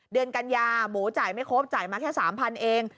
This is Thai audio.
เดือนกัญญาหมูจ่ายไม่ครบจ่ายมาแค่๓๐๐เอง